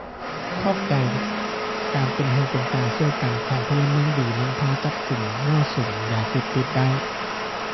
ຂອບໃຈການເປັນຫູເປັນຕາຊ່ວຍກັນ ຂອງພົນລະເມືອງດີ ນຳພາຈັບກຸ່ມມົ້ວສຸມຢາເສບຕິດໄດ້